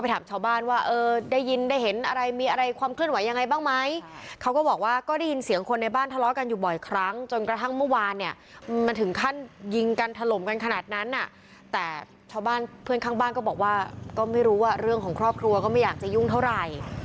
แต่ชาวบ้านเพื่อนข้างบ้านก็บอกว่าก็ไม่รู้ว่าเรื่องของครอบครัวก็ไม่อยากจะยุ่งเท่าไหร่